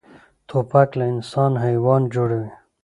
توپک له انسان حیوان جوړوي.